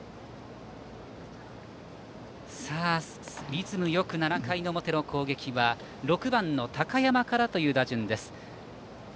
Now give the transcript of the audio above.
リズムよく７回表の攻撃は６番の高山からという打順です。